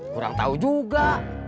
kurang tahu juga